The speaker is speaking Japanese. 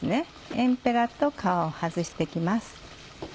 エンペラと皮を外して行きます。